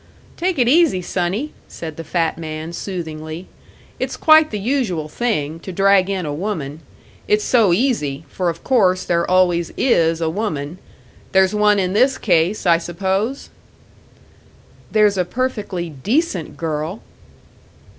"Take it easy, sonny," said the fat man, soothingly. "It's quite the usual thing, to drag in a woman. It's so easy for of course there always is a woman. There's one in this case, I suppose?" "There's a perfectly decent girl."